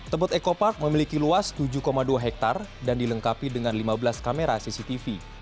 tebet eco park memiliki luas tujuh dua hektare dan dilengkapi dengan lima belas kamera cctv